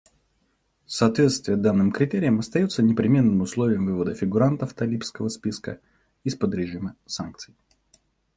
Соответствие данным критериям остается непременным условием вывода фигурантов талибского списка из-под режима санкций.